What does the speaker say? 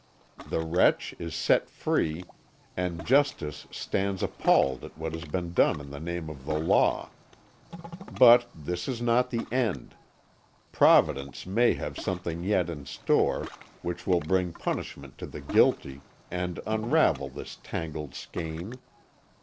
The wretch is set free, and Justice stands appalled at what has been done in the name of the law. But this is not the end. Providence may have something yet in store which will bring punishment to the guilty and unravel this tangled skein.